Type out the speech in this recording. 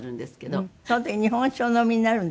その時日本酒をお飲みになるんですって？